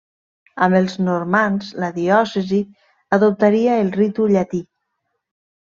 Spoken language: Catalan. Amb els normands la diòcesi adoptaria el ritu llatí.